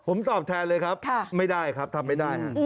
ผมตอบแทนเลยครับไม่ได้ครับทำไม่ได้